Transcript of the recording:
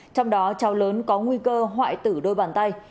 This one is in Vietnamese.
trong đó cháu lớn có nguy cơ hoại tử đôi bàn tay